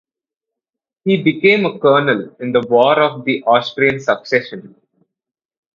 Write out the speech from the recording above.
He became a colonel in the War of the Austrian Succession.